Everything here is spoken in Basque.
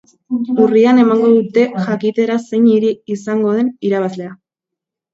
Urrian emango dute jakitera zein hiri izango den irabazlea.